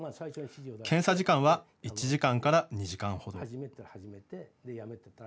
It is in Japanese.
検査時間は１時間から２時間ほど。